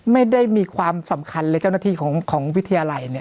ไม่ได้มีความสำคัญเลยเจ้าหน้าที่ของวิทยาลัยเนี่ย